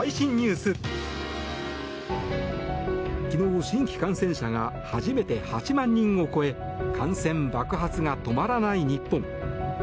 昨日、新規感染者が初めて８万人を超え感染爆発が止まらない日本。